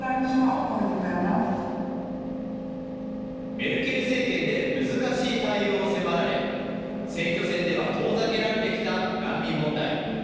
メルケル政権で難しい対応を迫られ、選挙戦では遠ざけられてきた難民問題。